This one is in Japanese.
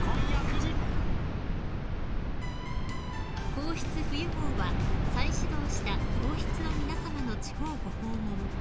［『皇室』冬号は再始動した皇室の皆さまの地方ご訪問